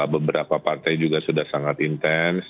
beberapa partai juga sudah sangat intens